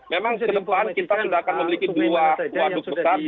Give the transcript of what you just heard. memang kebetulan kita sudah akan memiliki dua waduk besar